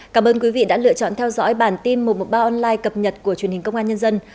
cảm ơn quý vị đã lựa chọn theo dõi bản tin một trăm một mươi ba online cập nhật của truyền hình công an nhân dân